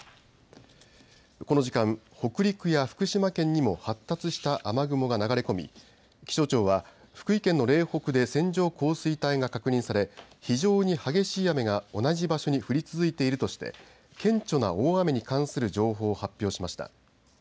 この時間、北陸や福島県にも発達した雨雲が流れ込み気象庁は福井県の嶺北で線状降水帯が確認され非常に激しい雨が同じ場所に降り続いているとして顕著な大雨に関する情報を発表しました。